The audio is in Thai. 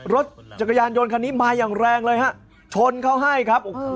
รถจักรยานยนต์คันนี้มาอย่างแรงเลยฮะชนเขาให้ครับ